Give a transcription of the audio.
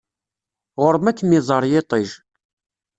Ɣur-m ad kem-iẓer yiṭij.